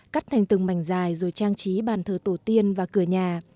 cắt thành từng mảnh dài rồi trang trí bàn thờ tổ tiên và cửa nhà